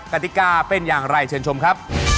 กติกาเป็นอย่างไรเชิญชมครับ